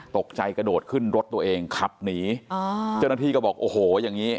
ตกใจกระโดดขึ้นรถตัวเองขับหนีอ๋อเจ้าหน้าที่ก็บอกโอ้โหอย่างนี้